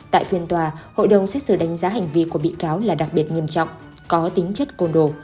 tại phiên tòa hội đồng xét xử đánh giá hành vi của bị cáo là đặc biệt nghiêm trọng có tính chất côn đồ